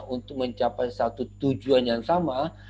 untuk mencapai satu tujuan yang sama